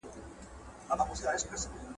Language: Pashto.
ولې افغان سوداګر طبي درمل له پاکستان څخه واردوي؟